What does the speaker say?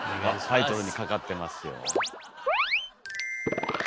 タイトルにかかってますよ。